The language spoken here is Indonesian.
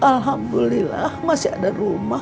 alhamdulillah masih ada rumah